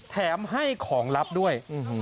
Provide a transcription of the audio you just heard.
แถมให้ของลับด้วย